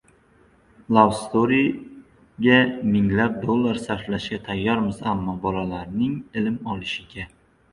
«Love Story»ga minglab dollar sarflashga tayyormiz, ammo bolalarning ilm olishiga...